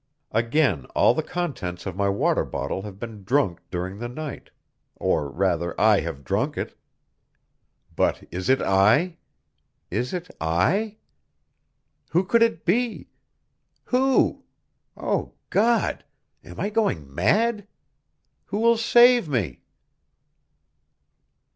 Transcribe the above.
Again all the contents of my water bottle have been drunk during the night or rather, I have drunk it! But is it I? Is it I? Who could it be? Who? Oh! God! Am I going mad? Who will save me?